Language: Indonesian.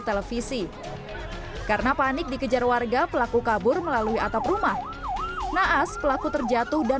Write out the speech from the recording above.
televisi karena panik dikejar warga pelaku kabur melalui atap rumah naas pelaku terjatuh dan